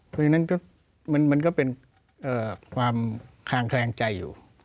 เพราะฉะนั้นมันก็เป็นความคางแคลงใจอยู่